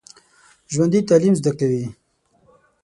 ژوندي تعلیم زده کوي